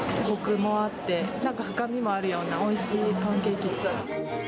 こくもあって、なんか深みもあるような、おいしいパンケーキ。